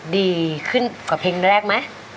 ดีขึ้นกว่าเพลงแรกไหม